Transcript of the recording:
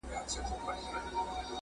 مخ یې ونیوۍ د لیري وطن لورته `